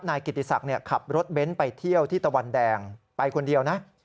นายกิติศักดิ์ขับรถเบ้นไปเที่ยวที่ตะวันแดงไปคนเดียวนะ